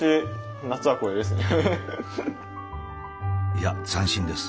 いや斬新です。